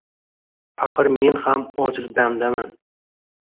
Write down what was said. Axir men ham ojiz bandaman…